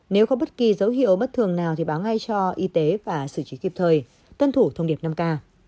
nếu có bất kỳ dấu hiệu bất thường nào thì báo ngay cho y tế và xử trí kịp thời tuân thủ thông điệp năm k